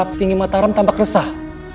petinggi mataram tampak resah